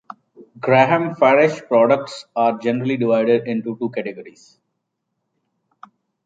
Graham Farish products are generally divided into two categories.